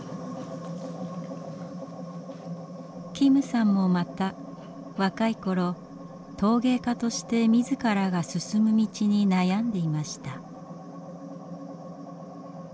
金さんもまた若い頃陶芸家として自らが進む道に悩んでいました。